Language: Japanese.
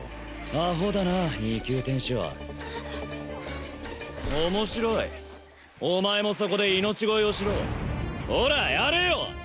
アホだな２級天使はえっあっ面白いお前もそこで命乞いをしろほらやれよ！